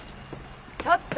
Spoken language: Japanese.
ちょっと！